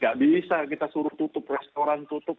nggak bisa kita suruh tutup restoran tutup